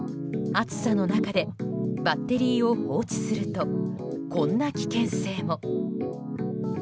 暑さの中でバッテリーを放置するとこんな危険性も。